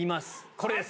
これです。